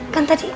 kan tadi udah